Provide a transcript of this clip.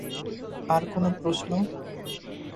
আর কোন প্রশ্ন?